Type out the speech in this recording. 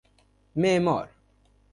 معمار